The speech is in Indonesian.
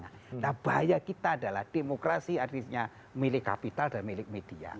nah bahaya kita adalah demokrasi artinya milik kapital dan milik media